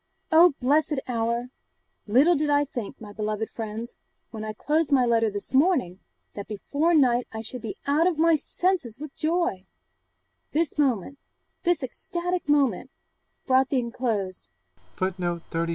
_ 'Oh, blessed hour! little did I think, my beloved friends, when I closed my letter this morning, that before night I should be out of my senses with joy! this moment, this ecstatic moment, brought the enclosed.